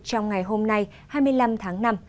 trong ngày hôm nay hai mươi năm tháng năm